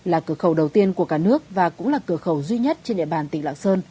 là cửa khẩu đầu tiên của cả nước và cũng là cửa khẩu duy nhất trên địa bàn tỉnh lạng sơn